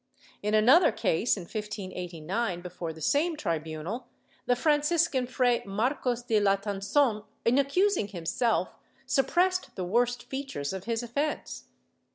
In another case, in 1589, before the same tribunal, the Franciscan Fray Marcos de Latangon, in accusing himself, suppressed the worst features of his offence.